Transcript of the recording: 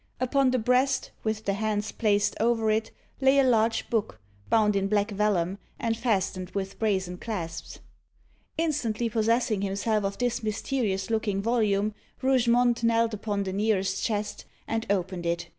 Upon the breast, with the hands placed over it, lay a large book, bound in black vellum, and fastened with brazen clasps. Instantly possessing himself of this mysterious looking volume, Rougemont knelt upon the nearest chest, and opened it.